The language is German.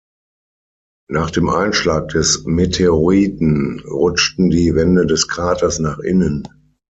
Nach dem Einschlag des Meteoriten rutschten die Wände des Kraters nach innen.